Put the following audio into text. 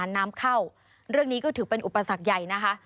สวัสดีค่ะสวัสดีค่ะสวัสดีค่ะ